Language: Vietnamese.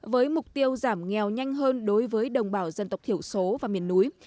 với mục tiêu giảm nghèo nhanh hơn đối với đồng bào dân tộc thiểu số và miền núi